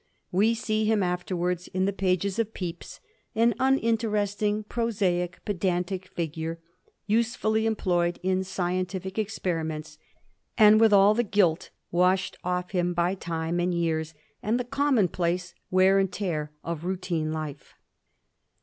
We see him after wards in the pages of Pepys, an uninteresting, pro saic, pedantic figure, usefully employed in scientific experiments, and with all the gilt washed off him by time and years and the commonplace wear and tear of routine life.